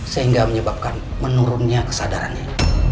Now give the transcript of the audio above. sehingga menyebabkan menurunnya kesadarannya